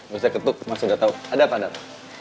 bisa ketuk mas udah tau ada apa apa